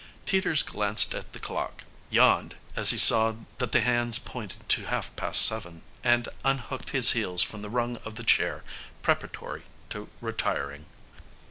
Teeters glanced at the clock, yawned as he saw that the hands pointed to half past seven, and unhooked his heels from the rung of the chair preparatory to retiring.